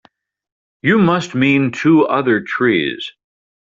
You must mean two other trees.